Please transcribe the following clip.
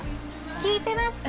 聞いてますか？